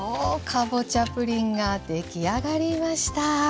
かぼちゃプリンが出来上がりました。